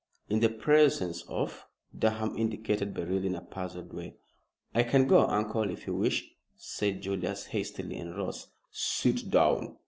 "In the presence of " Durham indicated Beryl in a puzzled way. "I can go, uncle, if you wish," said Julius, hastily, and rose. "Sit down!"